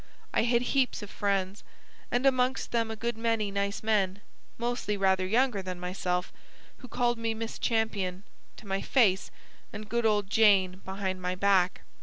"I had heaps of friends, and amongst them a good many nice men, mostly rather younger than myself, who called me 'Miss Champion.' to my face, and 'good old Jane' behind my back."